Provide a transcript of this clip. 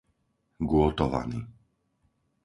Gôtovany